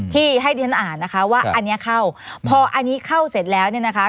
ที่ให้ดิฉันอ่านนะคะว่าอันนี้เข้าพออันนี้เข้าเสร็จแล้วเนี่ยนะคะ